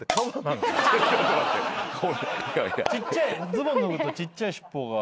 ズボン脱ぐとちっちゃい尻尾が。